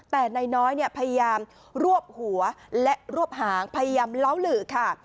แต่นายน้อยพยายามรวบหัวและรวบหางพยายามเล้าหลือค่ะ